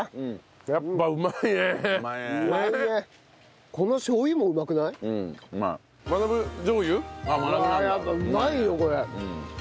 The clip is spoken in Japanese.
やっぱうまいよこれ。